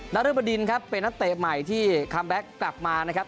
นรบดินครับเป็นนักเตะใหม่ที่คัมแบ็คกลับมานะครับ